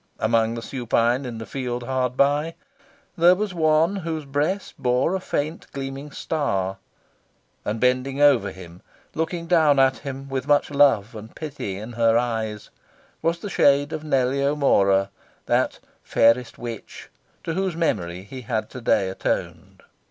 Among the supine in the field hard by, there was one whose breast bore a faint gleaming star. And bending over him, looking down at him with much love and pity in her eyes, was the shade of Nellie O'Mora, that "fairest witch," to whose memory he had to day atoned.